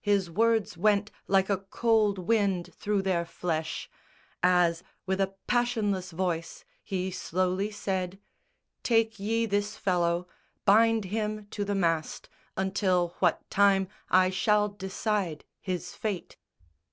His words went like a cold wind through their flesh As with a passionless voice he slowly said, "Take ye this fellow: bind him to the mast Until what time I shall decide his fate."